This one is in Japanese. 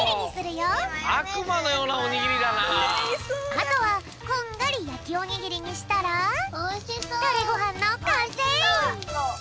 あとはこんがりやきおにぎりにしたらタレごはんのかんせい！